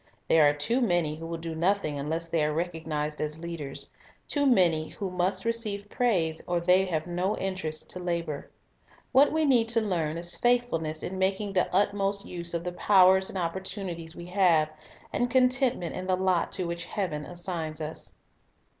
There are too many who will do nothing unless they are recognized as leaders; too many who must receive praise, or they have no interest to labor. What we need to learn is faithfulness in making the utmost use of the powers and opportunities we have, and content ment in the lot to which Heaven assigns us.